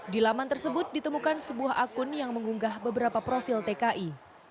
di laman tersebut ditemukan sebuah akun yang mengunggah beberapa profil tki